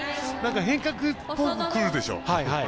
変化球っぽくくるでしょ。